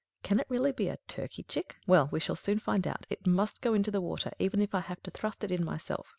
Can it really be a turkey chick? Well, we shall soon find out. It must go into the water, even if I have to thrust it in myself."